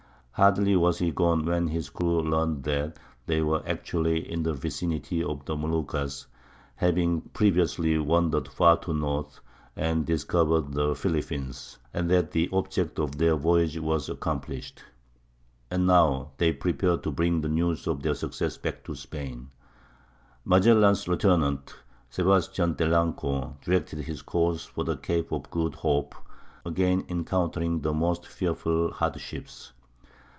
Hardly was he gone when his crew learned that they were actually in the vicinity of the Moluccas [having previously wandered too far north, and discovered the Philippines], and that the object of their voyage was accomplished.... And now they prepared to bring the news of their success back to Spain. Magellan's lieutenant, Sebastian d'Elanco, directed his course for the Cape of Good Hope, again encountering the most fearful hardships.